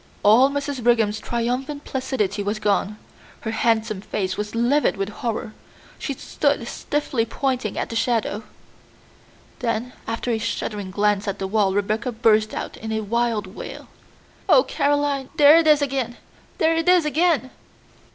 All Mrs. Brigham's triumphant placidity was gone. Her handsome face was livid with horror. She stood stiffly pointing at the shadow. Then after a shuddering glance at the wall Rebecca burst out in a wild wail. "Oh, Caroline, there it is again, there it is again!"